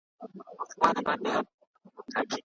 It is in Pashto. د بوټو علاج د هغوی د ناروغۍ په پېژندلو پوري اړه لري.